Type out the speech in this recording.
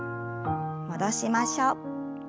戻しましょう。